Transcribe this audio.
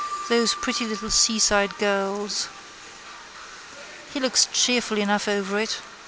Those pretty little seaside gurls. He looks cheerful enough over it.